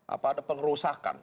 apa ada pengerusakan